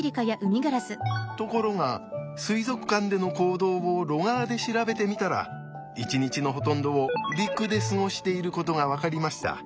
ところが水族館での行動をロガーで調べてみたら一日のほとんどを陸で過ごしていることが分かりました。